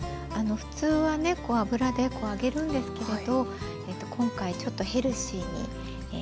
普通はね油で揚げるんですけれど今回ちょっとヘルシーに。